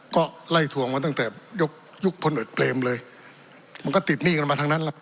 ก็ไล่ทวงมาตั้งแต่ยุคยุคพลเอกเปรมเลยมันก็ติดหนี้กันมาทั้งนั้นแหละ